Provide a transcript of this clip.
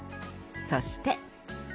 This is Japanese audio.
そして。